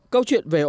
câu chuyện về ô nhiễm